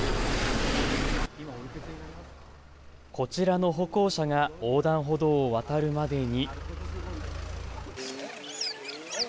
こちらの歩行者が横断歩道を渡るまでに。